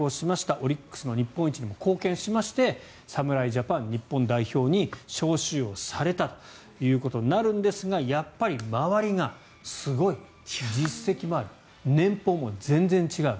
オリックスの日本一にも貢献しまして侍ジャパン日本代表に招集をされたということですがやっぱり周りが、すごい実績もある年俸も全然違う。